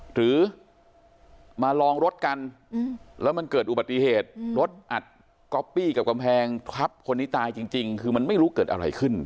หรือมาลองรถกันแล้วมันเกิดอุบัติเหตุรถอัดก๊อปปี้กับกำแพงทับคนนี้ตายจริงคือมันไม่รู้เกิดอะไรขึ้น